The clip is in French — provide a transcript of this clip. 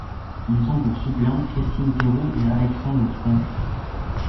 Ils ont pour suppléants Christine Terrou et Alexandre Tronche.